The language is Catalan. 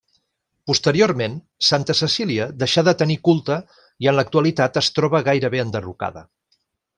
Posteriorment, Santa Cecília deixà de tenir culte i en l'actualitat es troba gairebé enderrocada.